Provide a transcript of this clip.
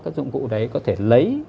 các dụng cụ đấy có thể lấy